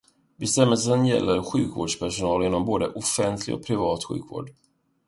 Bestämmelsen gäller sjukvårdspersonal inom både offentlig och privat sjukvård.